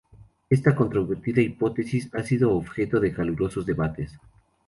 Esta controvertida hipótesis ha sido objeto de calurosos debates.